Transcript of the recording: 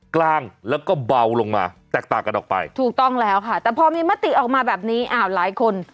กลางแล้วก็เบาลงมาแตกต่างกันออกไปถูกต้องแล้วค่ะแต่พอมีมติออกมาแบบนี้อ้าวหลายคน